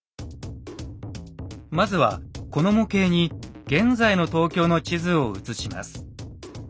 まずはこの模型に現在の東京の地図を映します。